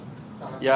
apa itu pak